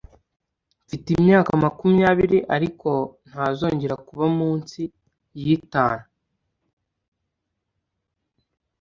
mfite imyaka makumyabiri, ariko ntazongera kuba munsi yitanu